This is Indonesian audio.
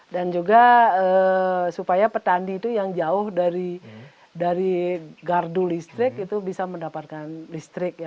dan juga supaya petani itu yang jauh dari gardu listrik itu bisa mendapatkan listrik ya